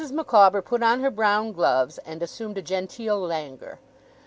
Micawber put on her brown gloves, and assumed a genteel languor.